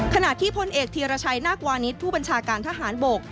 ขณะที่พลเอกธีรชัยนาควานิสผู้บัญชาการทหารบก